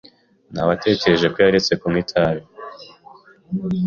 Nawetekereje ko yaretse kunywa itabi.